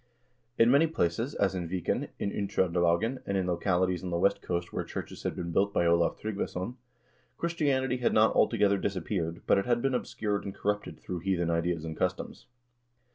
In many places, as in Viken, in Uttr0nde lagen, and in localities on the west coast where churches had been built by Olav Tryggvason, Christianity had not altogether disap peared, but it had been obscured and corrupted through heathen ideas and customs.